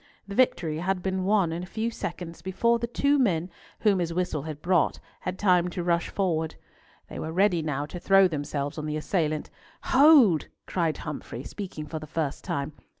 The victory had been won in a few seconds, before the two men, whom his whistle had brought, had time to rush forward. They were ready now to throw themselves on the assailant. "Hold!" cried Humfrey, speaking for the first time.